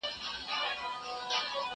که وخت وي، مځکي ته ګورم،